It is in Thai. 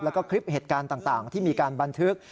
แล้วก็คลิปเหตุการณ์ต่างที่มีการบันทึก